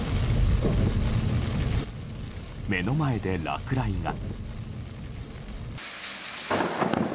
目の前で落雷が。